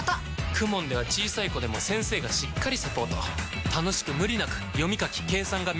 ＫＵＭＯＮ では小さい子でも先生がしっかりサポート楽しく無理なく読み書き計算が身につきます！